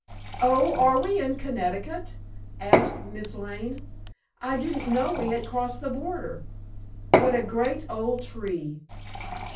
"Oh, are we in Connecticut?" asked Miss Lane. "I didn't know we had crossed the border. What a great old tree!